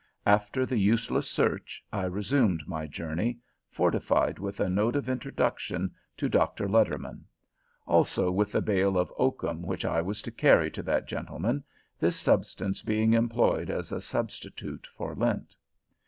After the useless search, I resumed my journey, fortified with a note of introduction to Dr. Letterman; also with a bale of oakum which I was to carry to that gentleman, this substance being employed as a substitute for lint.